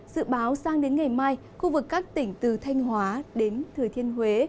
dự báo sang đến ngày mai khu vực các tỉnh từ thanh hóa đến thừa thiên huế